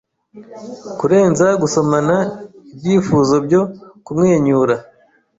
Kurenza gusomana ibyifuzobyo kumwenyura